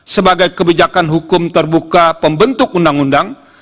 sebagai kebijakan hukum terbuka pembentuk undang undang